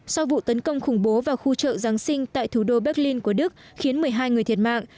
sau vụ tấn công khủng bố vào khu chợ giáng sinh tại thủ đô berlin của đức khiến một mươi hai người thiệt mạng